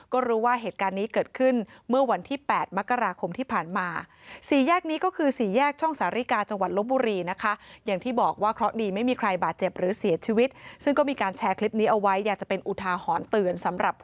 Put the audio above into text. ก็รู้ว่าเหตุการณ์นี้เกิดขึ้นเมื่อวันที่๘มกราคมที่ผ่านมา